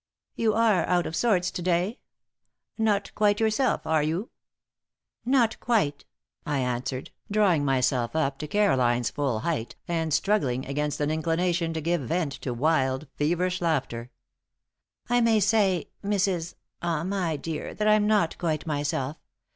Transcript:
You are out of sorts to day? Not quite yourself, are you?" "Not quite," I answered, drawing myself up to Caroline's full height and struggling against an inclination to give vent to wild, feverish laughter. "I may say Mrs. ah my dear that I'm not quite myself.